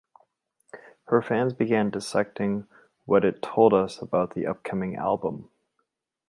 Her fans began dissecting what it told us about the upcoming album.